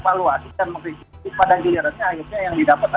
pada gilirannya akhirnya yang didapat adalah